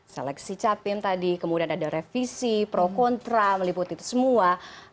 seleksi capim tadi kemudian ada revisi pro kontra meliputi itu semua